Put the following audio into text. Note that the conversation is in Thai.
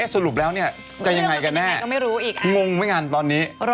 สรุปแล้วจะยังไงกันแน่งงไม่งันตอนนี้